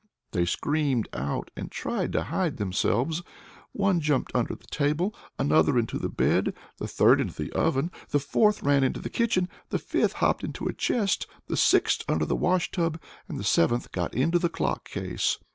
They screamed out and tried to hide themselves; one jumped under the table, another into the bed, the third into the oven; the fourth ran into the kitchen, the fifth hopped into a chest, the sixth under the wash tub, and the seventh got into the clock case.